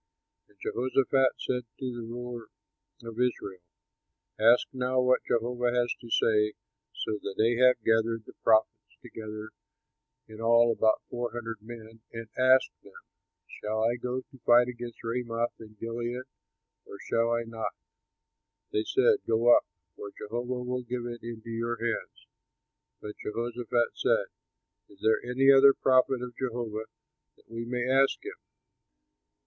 And Jehoshaphat said to the ruler of Israel, "Ask now what Jehovah has to say." So Ahab gathered the prophets together (in all about four hundred men), and asked them, "Shall I go to fight against Ramoth in Gilead or shall I not?" They said, "Go up; for Jehovah will give it into your hands." But Jehoshaphat said, "Is there any other prophet of Jehovah, that we may ask him?"